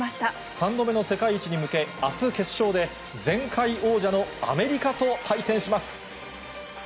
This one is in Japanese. ３度目の世界一に向け、あす、決勝で、前回王者のアメリカと対戦します。